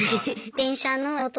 電車の音？